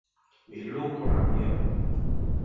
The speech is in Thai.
มีลูกรังเยอะ